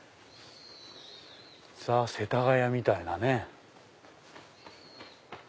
ザ世田谷みたいなね。